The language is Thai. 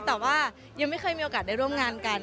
แต่ว่ายังไม่เคยมีโอกาสได้ร่วมงานกัน